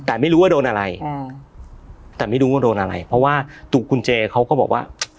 แต่ไม่รู้ว่าโดนอะไรอืมแต่ไม่รู้ว่าโดนอะไรเพราะว่าตัวคุณเจเขาก็บอกว่า